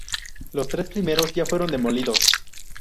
Los tres primeros ya fueron demolidos.